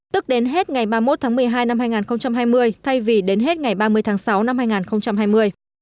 tức đến hết ngày ba mươi một tháng một mươi hai năm hai nghìn hai mươi thay vì đến hết ngày ba mươi tháng sáu năm hai nghìn hai mươi